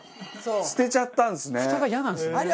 捨てちゃったんですね。